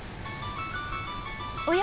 おや？